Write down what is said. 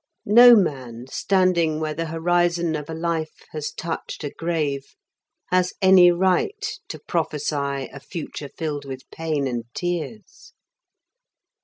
No man standing where the horizon of a life has touched a grave has any right to prophesy a future filled with pain and tears.